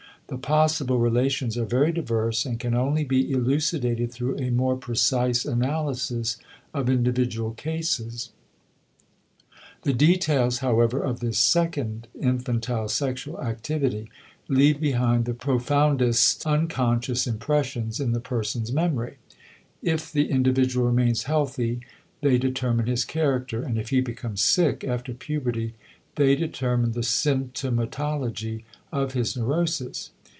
The possible relations are very diverse and can only be elucidated through a more precise analysis of individual cases. The details, however, of this second infantile sexual activity leave behind the profoundest (unconscious) impressions in the persons's memory; if the individual remains healthy they determine his character and if he becomes sick after puberty they determine the symptomatology of his neurosis.